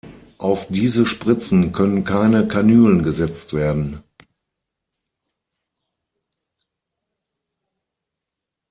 Auf diese Spritzen können keine Kanülen gesetzt werden.